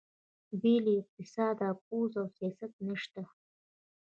بې له اقتصاده پوځ او سیاست نشته.